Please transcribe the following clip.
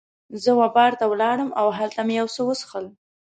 زه وه بار ته ولاړم او هلته مې یو څه وڅښل.